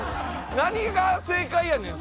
何が正解やねん！